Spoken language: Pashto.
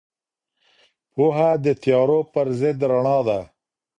پوهه د تیارو پر ضد رڼا ده.